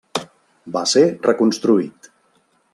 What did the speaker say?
Va ser reconstruït.